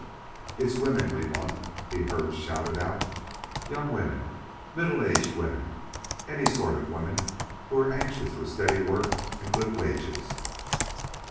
"It's women we want," he heard shouted out. "Young women, middle aged women, any sort of women who are anxious for steady work and good wages."